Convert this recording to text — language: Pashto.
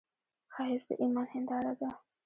ښایست د ایمان هنداره ده